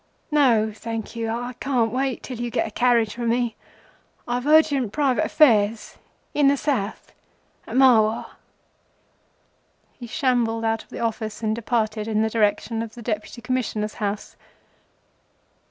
No, thank you, I can't wait till you get a carriage for me. I've urgent private affairs—in the south—at Marwar." He shambled out of the office and departed in the direction of the Deputy Commissioner's house.